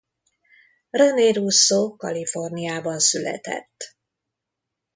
Rene Russo Kaliforniában született.